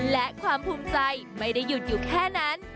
และความภูมิใจไม่ได้หยุดอยู่แค่นั้น